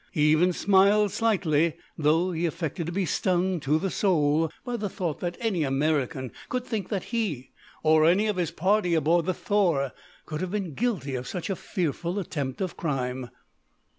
He even smiled slightly, though he affected to be stung to the soul by the thought that any American could think that he, or any of his party aboard the "Thor" could have been guilty of such a fearful attempt of crime.